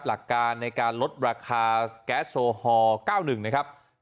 หลักการในการลดราคาแก๊สโซฮอล๙๑นะครับ